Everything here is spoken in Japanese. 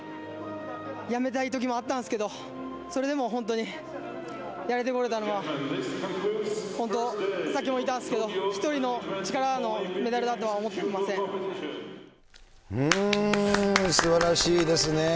やめたいときもあったんですけど、それでも本当にやれてこれたのは、本当、さっきも言ったんですけど、１人の力のメダルだとは思っていすばらしいですね。